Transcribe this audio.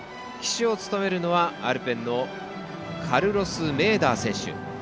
旗手を務めるのは、アルペンのカルロス・メーダー選手。